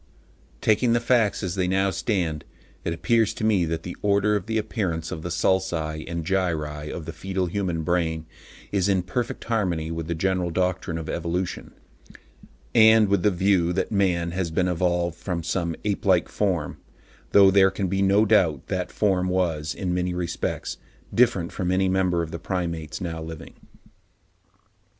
Taking the facts as they now stand, it appears to me that the order of the appearance of the sulci and gyri in the foetal human brain is in perfect harmony with the general doctrine of evolution, and with the view that man has been evolved from some ape like form; though there can be no doubt that form was, in many respects, different from any member of the Primates now living.